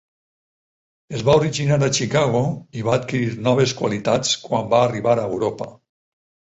Es va originar a Chicago i va adquirir noves qualitats quan va arribar a Europa.